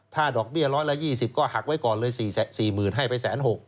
ถ้าดอกเบี้ย๑๒๐ก็หักไว้ก่อนเลย๔๐๐๐ให้ไป๑๖๐๐